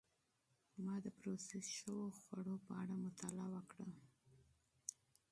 ما د پروسس شوو خوړو په اړه مطالعه وکړه.